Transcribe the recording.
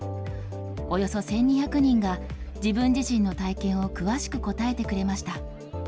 およそ１２００人が、自分自身の体験を詳しく答えてくれました。